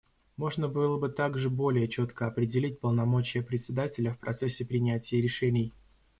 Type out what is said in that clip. Можно было бы также более четко определить полномочия Председателя в процессе принятии решений.